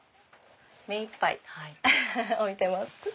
目いっぱい置いてます。